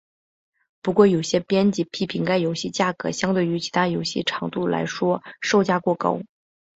不过有些编辑批评该游戏价格相对于其游戏长度来说售价过高。